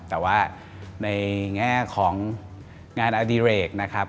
แต่ว่าในแง่ของงานอดิเรกนะครับ